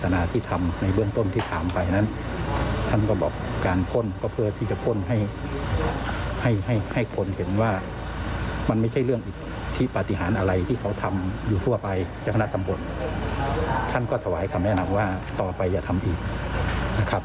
แนะนำว่าต่อไปอย่าทำอีกนะครับ